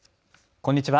こんにちは。